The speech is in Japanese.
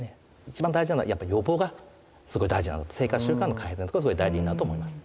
一番大事なのはやっぱ予防がすごい大事なので生活習慣の改善がすごい大事になると思います。